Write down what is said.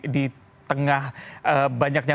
di tengah banyaknya